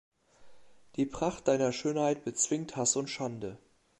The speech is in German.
Die Pracht Deiner Schönheit bezwingt Hass und Schande.